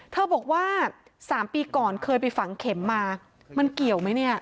บอกว่า๓ปีก่อนเคยไปฝังเข็มมามันเกี่ยวไหมเนี่ย